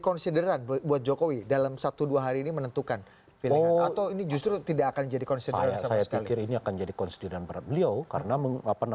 konsideran berat beliau karena